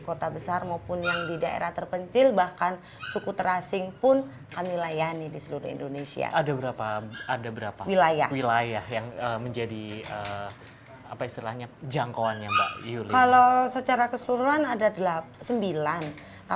pertanyaan terakhir bagaimana penyelesaian yayasan ini